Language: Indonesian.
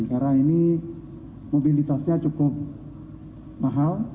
karena ini mobilitasnya cukup mahal